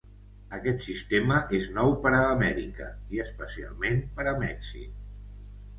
Aquest sistema és nou per a Amèrica, i especialment per a Mèxic.